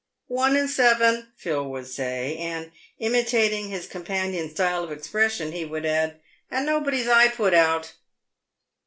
" One and seven," Phil would say ; and, imitating his companions' style of expression, he would add, " and nobody's eye put out."